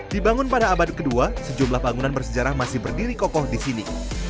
dibangun pada abad kedua sejumlah bangunan bersejarah masih berdiri kokoh di sini